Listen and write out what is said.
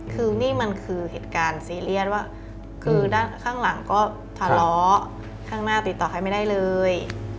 คือนี่มันคือเหตุการณ์ซีเรียสว่าคือด้านข้างหลังก็ทะเลาะข้างหน้าติดต่อใครไม่ได้เลย